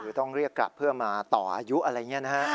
หรือต้องเรียกกลับเพื่อมาต่ออายุอะไรนี้นะ